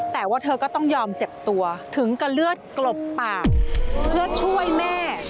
แต่ว่าเธอก็ต้องยอมเจ็บตัวถึงกับเลือดกลบปากเพื่อช่วยแม่